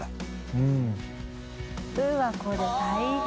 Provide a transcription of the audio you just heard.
うわっこれ大変。